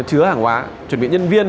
chứa hàng hóa chuẩn bị nhân viên